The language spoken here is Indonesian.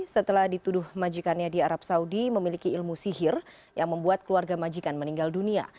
setelah dituduh majikannya di arab saudi memiliki ilmu sihir yang membuat keluarga majikan meninggal dunia